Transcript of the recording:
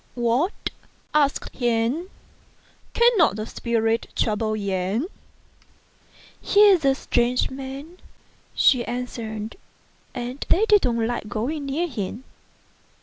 " What !" asked he, " cannot the spirits trouble Yen ?"" He is a strange man," she answered, "and they don't like going near him."